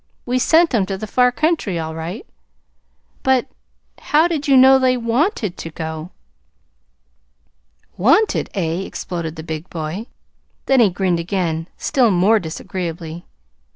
"We sent 'em to the far country, all right." "But how did you know they WANTED to go?" "Wanted Eh?" exploded the big boy. Then he grinned again, still more disagreeably.